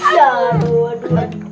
ya aduh aduh aduh